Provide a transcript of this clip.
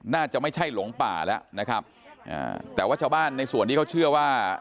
น่าจะไม่ใช่หลงป่าแล้วนะครับอ่าแต่ว่าชาวบ้านในส่วนที่เขาเชื่อว่า